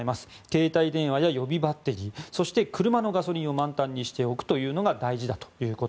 携帯電話や予備バッテリーそして車のガソリンを満タンにしておくことが大事だと。